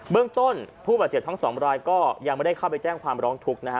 เรื่องต้นผู้บาดเจ็บทั้งสองรายก็ยังไม่ได้เข้าไปแจ้งความร้องทุกข์นะฮะ